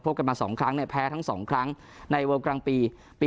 พบกันมา๒ครั้งแพ้ทั้ง๒ครั้งในเวิลกรางปี๒๐๑๗